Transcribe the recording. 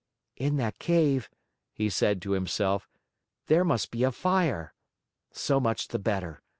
"In that cave," he said to himself, "there must be a fire. So much the better.